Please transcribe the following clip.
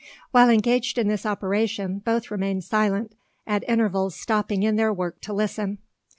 While engaged in this operation both remained silent, at intervals stopping in their work to listen.